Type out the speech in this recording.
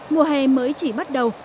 mùa hè mới chỉ bắt đầu